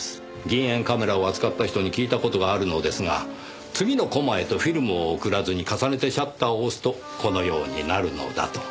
銀塩カメラを扱った人に聞いた事があるのですが次のコマへとフィルムを送らずに重ねてシャッターを押すとこのようになるのだと。